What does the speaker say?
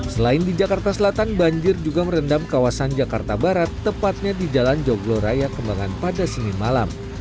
selain di jakarta selatan banjir juga merendam kawasan jakarta barat tepatnya di jalan joglo raya kembangan pada senin malam